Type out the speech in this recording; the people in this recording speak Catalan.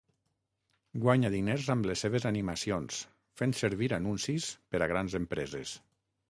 Guanya diners amb les seves animacions fent servir anuncis per a grans empreses.